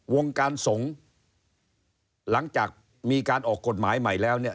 วงการสงฆ์หลังจากมีการออกกฎหมายใหม่แล้วเนี่ย